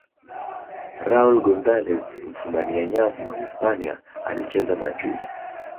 raul gonzalez mfumania nyavu wa hispania alicheza madrid